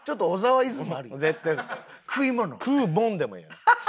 「食うもん」でもええよな。